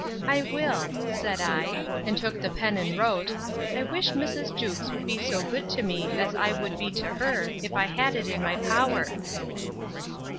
I will, said I; and took the pen and wrote, 'I wish Mrs. Jewkes would be so good to me, as I would be to her, if I had it in my power.